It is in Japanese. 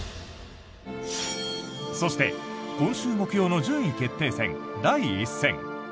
そして、今週木曜の順位決定戦第１戦。